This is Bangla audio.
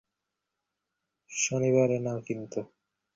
পরে পৌর করপোরেশনের আর্কাইভ থেকে খুঁজে পাওয়া যায় টালির জন্ম সনদ।